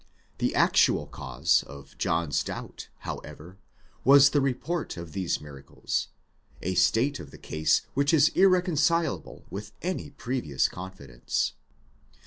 The actual cause of John's doubt, however, was the report of these miracles ;—a state of the case which is irreconcilable with any previous con fidence.